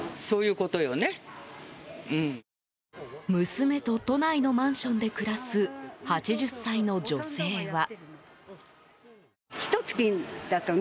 娘と都内のマンションで暮らす８０歳の女性は。